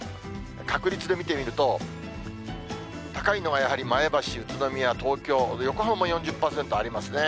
確率で見てみると、高いのは、やはり前橋、宇都宮、東京、横浜も４０％ありますね。